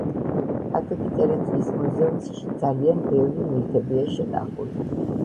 აკაკი წერეთლის მუზეუმსი ძალიან ბევრი ნივთებია შენახული